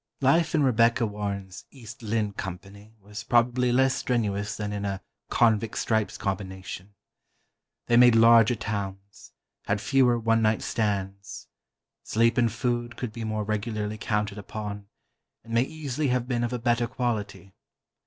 Life in Rebecca Warren's "East Lynne" Company was probably less strenuous than in a "Convict Stripes" combination. They made larger towns, had fewer one night stands. Sleep and food could be more regularly counted upon, and may easily have been of a better quality.